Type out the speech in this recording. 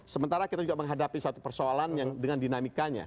sementara kita juga menghadapi satu persoalan yang dengan dinamikanya